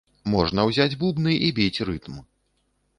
Можна ўзяць бубны і біць рытм.